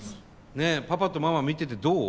ねっパパとママ見ててどう？